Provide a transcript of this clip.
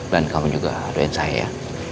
dan kamu juga doain saya ya